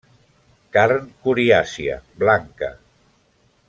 Carn coriàcia, blanca.